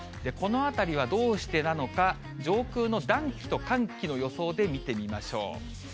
このあたりはどうしてなのか、上空の暖気と寒気の予想で見てみましょう。